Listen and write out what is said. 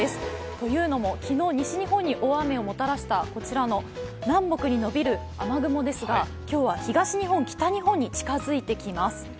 というのも昨日、西日本に大雨をもたらしたこちらの南北に延びる雨雲ですが今日は東日本、北日本に近づいてきています。